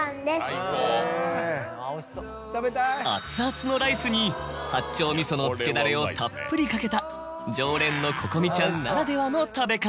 熱々のライスに八丁味噌のつけダレをたっぷりかけた常連の湖々未ちゃんならではの食べ方。